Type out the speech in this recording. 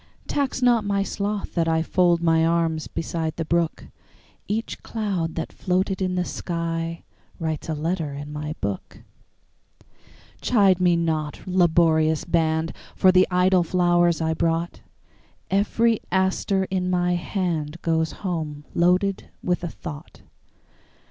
Tax not my sloth that IFold my arms beside the brook; Each cloud that floated in the skyWrites a letter in my book. Chide me not, laborious band, For the idle flowers I brought; Every aster in my handGoes home loaded with a thought.